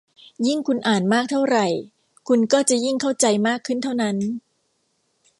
ยิ่งคุณอ่านมากเท่าไหร่คุณก็จะยิ่งเข้าใจมากขึ้นเท่านั้น